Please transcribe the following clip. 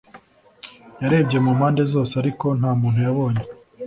Yarebye mu mpande zose ariko nta muntu yabonye